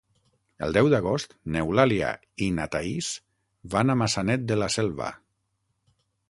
El deu d'agost n'Eulàlia i na Thaís van a Maçanet de la Selva.